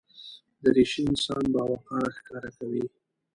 دریشي انسان باوقاره ښکاره کوي.